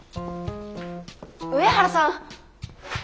上原さん！